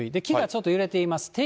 木がちょっと揺れています。